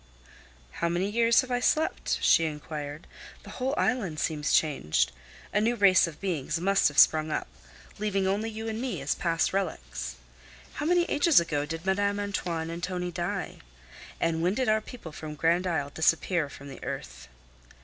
"How many years have I slept?" she inquired. "The whole island seems changed. A new race of beings must have sprung up, leaving only you and me as past relics. How many ages ago did Madame Antoine and Tonie die? and when did our people from Grand Isle disappear from the earth?"